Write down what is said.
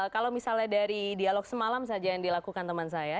kalau misalnya dari dialog semalam saja yang dilakukan teman saya